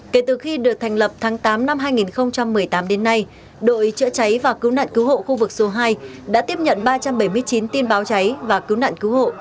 kể từ khi được thành lập tháng tám năm hai nghìn một mươi tám đến nay đội chữa cháy và cứu nạn cứu hộ khu vực số hai đã tiếp nhận ba trăm bảy mươi chín tin báo cháy và cứu nạn cứu hộ